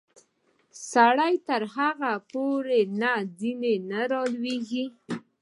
سړی تر هغو پورې نه ځینې رالویږي.